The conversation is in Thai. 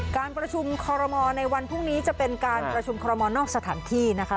การประชุมคอรมอลในวันพรุ่งนี้จะเป็นการประชุมคอรมอลนอกสถานที่นะคะ